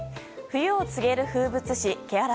冬を告げる風物詩、気嵐。